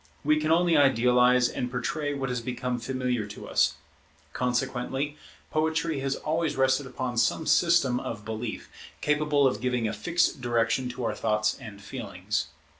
We can only idealize and portray what has become familiar to us; consequently poetry has always rested upon some system of belief, capable of giving a fixed direction to our thoughts and feelings.